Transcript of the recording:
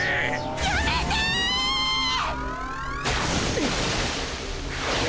やめてッ！！